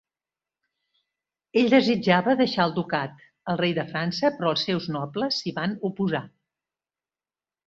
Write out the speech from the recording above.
Ell desitjava deixar el ducat al rei de França, però els seus nobles s'hi van oposar.